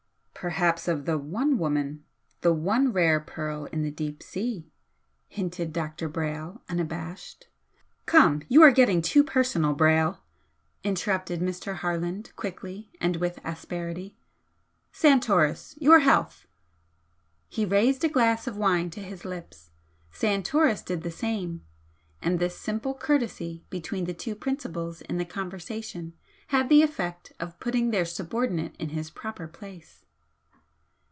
"Perhaps of the one woman the one rare pearl in the deep sea" hinted Dr. Brayle, unabashed. "Come, you are getting too personal, Brayle," interrupted Mr. Harland, quickly, and with asperity "Santoris, your health!" He raised a glass of wine to his lips Santoris did the same and this simple courtesy between the two principals in the conversation had the effect of putting their subordinate in his proper place.